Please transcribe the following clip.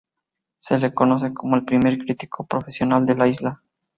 Se le conoce como el primer crítico profesional de la Isla.